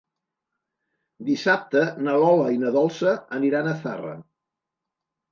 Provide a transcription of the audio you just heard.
Dissabte na Lola i na Dolça aniran a Zarra.